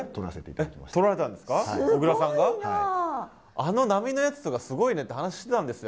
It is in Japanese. あの波のやつとかすごいねって話してたんですよ。